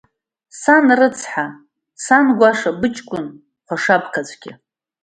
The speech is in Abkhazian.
Сан рыцҳа, сан гәаша, быҷкәын хәашабгацәгьа!